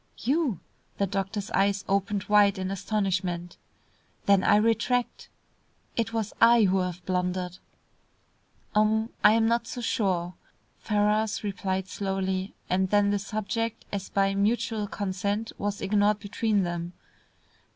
"You!" the doctor's eyes opened wide in astonishment. "Then I retract. It was I who have blundered." "Um I am not so sure," Ferrars replied slowly, and then the subject as by mutual consent was ignored between them.